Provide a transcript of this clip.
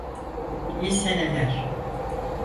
İyi seneler.